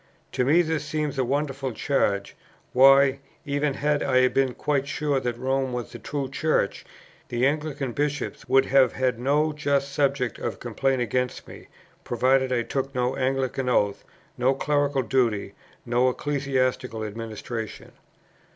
To me this seems a wonderful charge; why, even had I been quite sure that Rome was the true Church, the Anglican Bishops would have had no just subject of complaint against me, provided I took no Anglican oath, no clerical duty, no ecclesiastical administration.